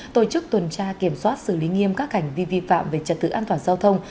tổ chức tuần tra kiểm soát xử lý nghiêm các hành vi vi phạm về trật tự an toàn giao thông